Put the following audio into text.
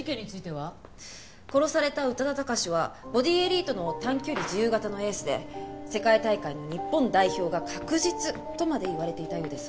殺された宇多田貴史はボディエリートの短距離自由形のエースで世界大会の日本代表が確実とまで言われていたようです。